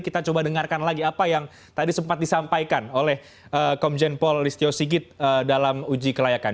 kita coba dengarkan lagi apa yang tadi sempat disampaikan oleh komjen paul listio sigit dalam uji kelayakan